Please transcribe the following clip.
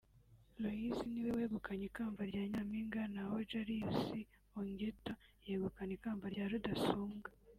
Loise niwe wegukanye ikamba rya Nyampinga naho Jarius Ongetta yegukana ikamba rya Rudasumbwa